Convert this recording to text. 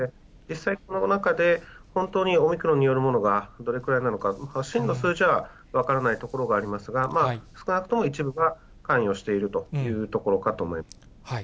実際この中で、本当にオミクロンによるものがどれくらいなのか、しんの数字は分からないところがありますが、少なくとも一部は関与しているというところかと思います。